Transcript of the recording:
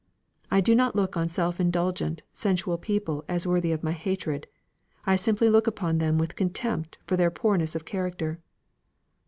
I do not look on self indulgent, sensual people as worthy of my hatred; I simply look upon them with contempt for their poorness of character."